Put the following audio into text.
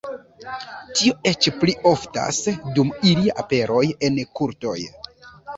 Tio eĉ pli oftas dum ilia aperoj en kultoj.